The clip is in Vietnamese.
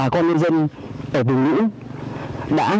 bà con nhân dân ở bình lũ bà con nhân dân ở bình lũ bà con nhân dân ở bình lũ